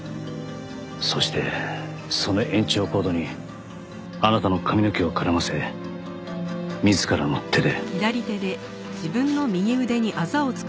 そしてその延長コードにあなたの髪の毛を絡ませ自らの手で。